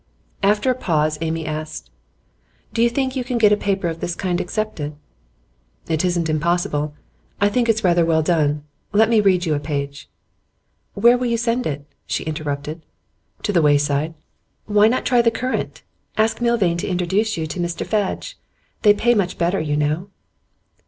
After a pause Amy asked: 'Do you think you can get a paper of this kind accepted?' 'It isn't impossible. I think it's rather well done. Let me read you a page ' 'Where will you send it?' she interrupted. 'To The Wayside.' 'Why not try The Current? Ask Milvain to introduce you to Mr Fadge. They pay much better, you know.